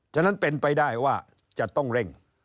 ฉะนั้นเป็นไปได้ว่าจะต้องเร่ง